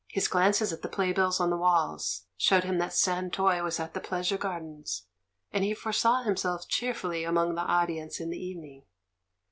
His glances at the playbills on the walls showed him that San Toy was at the Pleasure Gardens, and he foresaw himself cheerfully among the audience in the evening.